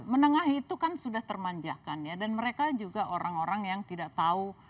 menengah itu kan sudah termanjakan ya dan mereka juga orang orang yang tidak tahu